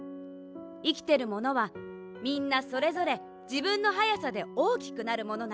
いきてるものはみんなそれぞれじぶんのはやさでおおきくなるものなの。